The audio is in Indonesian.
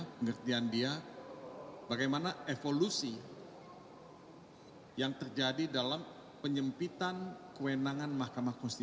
pengertian dia bagaimana evolusi yang terjadi dalam penyempitan kewenangan mahkamah konstitusi